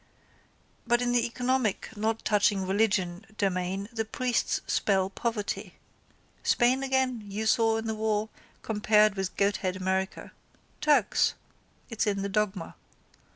But in the economic, not touching religion, domain the priest spells poverty. Spain again, you saw in the war, compared with goahead America. Turks. It's in the dogma.